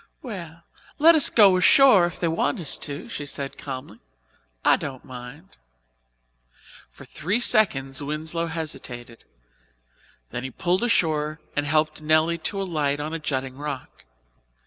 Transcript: "Well, let us go ashore if they want us to," she said calmly. "I don't mind." For three seconds Winslow hesitated. Then he pulled ashore and helped Nelly to alight on a jutting rock.